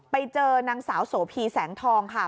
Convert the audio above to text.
ไปเจอนางสาวโสพีแสงทองค่ะ